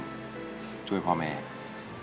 หน้าที่ของมุกตอนนี้อย่างแรกเลยคือต้องตั้งใจเรียนอย่างที่สอง